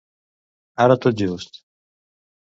Ara tot just.